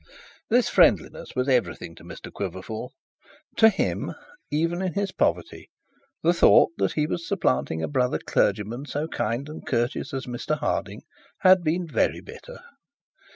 This friendliness was everything to Mr Quiverful. To him, even in his poverty, the thought that he was supplanting a brother clergyman so kind and courteous as Mr Harding, had been very bitter.